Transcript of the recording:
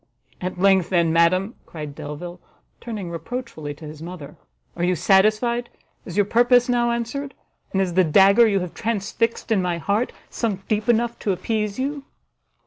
"At length, then, madam," cried Delvile, turning reproachfully to his mother, "are you satisfied? is your purpose now answered? and is the dagger you have transfixed in my heart sunk deep enough to appease you?"